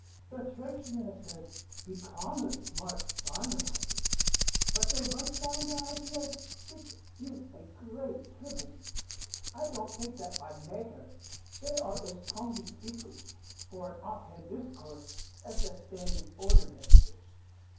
"The church ministers be commonly smart sarmonizers, but they write down their idees, which is a great privilege. I don't think that, by nater, they are as tonguey speakers, for an off hand discourse, as the standing order ministers."